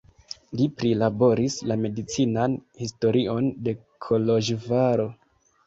Li prilaboris la medicinan historion de Koloĵvaro.